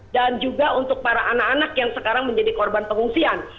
dan juga untuk para anak anak yang sekarang menjadi korban pengungsian